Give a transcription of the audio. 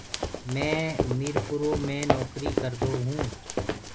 مینٚ ميٚرپرو مي نوڪريٚ ڪردوٚنٚ۔